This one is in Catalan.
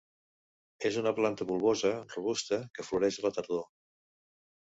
És una planta bulbosa, robusta, que floreix a la tardor.